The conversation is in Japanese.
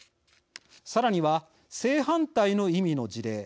さらには正反対の意味の事例。